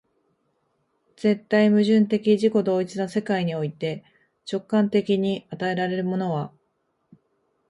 絶対矛盾的自己同一の世界において、直観的に与えられるものは、